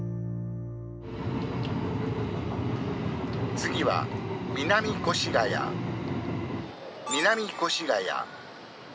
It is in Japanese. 次は南越谷南越谷。